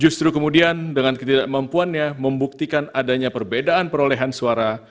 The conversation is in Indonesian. justru kemudian dengan ketidakmampuannya membuktikan adanya perbedaan perolehan suara